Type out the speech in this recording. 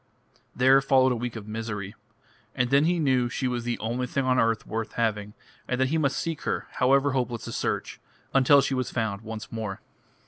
There followed a week of misery. And then he knew she was the only thing on earth worth having, and that he must seek her, however hopeless the search, until she was found once more.